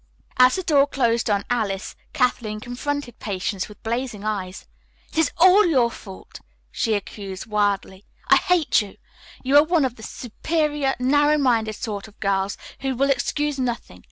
As the door closed on Alice, Kathleen confronted Patience with blazing eyes. "It is all your fault," she accused wildly. "I hate you! You are one of the superior, narrow minded sort of girls who will excuse nothing.